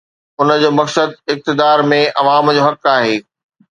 ان جو مقصد اقتدار ۾ عوام جو حق آهي.